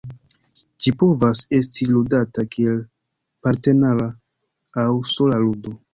Ĝi povas esti ludata kiel partnera aŭ sola ludo.